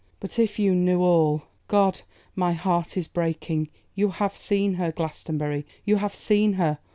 But if you knew all God! God! my heart is breaking! You have seen her, Glastonbury; you have seen her.